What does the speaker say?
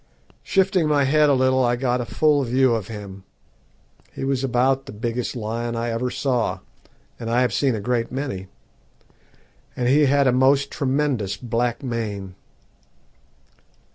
Shifting my head a little I got a full view of him. He was about the biggest lion I ever saw, and I have seen a great many, and he had a most tremendous black mane.